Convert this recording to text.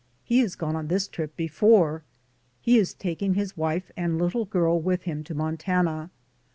He has gone on this trip before; he is taking his wife and Httle girl with him to Montana.